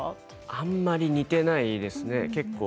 あんまり似ていないです。